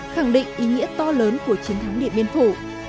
khẳng định ý nghĩa to lớn của chiến thắng điện biên phủ